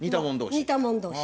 似たもん同士。